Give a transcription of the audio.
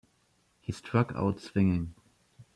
He struck out swinging.